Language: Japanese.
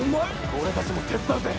「俺たちも手伝うぜ」